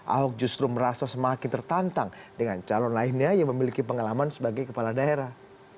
ahok justru merasa semakin tertantang dengan calon lainnya yang memiliki pengalaman sebagai kepala daerah